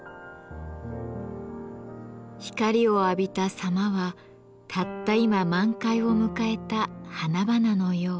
光を浴びた様はたった今満開を迎えた花々のよう。